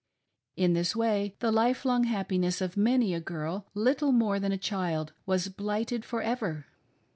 In this way the life long happiness of many a girl — little more than a child — was blighted for ever.